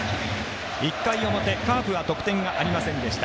１回表、カープは得点がありませんでした。